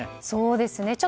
そうですね。